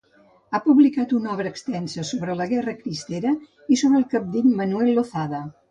Ha publicat una obra extensa sobre la Guerra Cristera i sobre el cabdill Manuel Lozada.